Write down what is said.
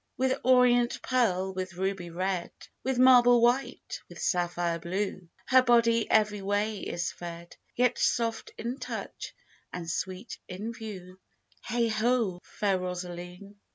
With orient pearl, with ruby red, With marble white, with sapphire blue Her body every way is fed, Yet soft in touch and sweet in view: Heigh ho, fair Rosaline!